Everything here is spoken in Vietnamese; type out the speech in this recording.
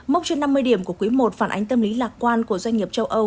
mốc trên năm mươi điểm của quý i phản ánh tâm lý lạc quan của doanh nghiệp châu âu